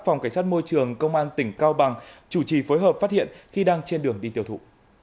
phòng cảnh sát môi trường công an tỉnh cao bằng chủ trì phối hợp phát hiện khi đang trên đường đi tiêu thụ